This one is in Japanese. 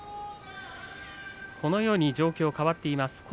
このように状況が変わっています。